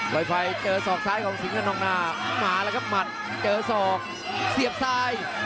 ไฟเจอศอกซ้ายของสิงเงินนองนามาแล้วครับหมัดเจอศอกเสียบซ้าย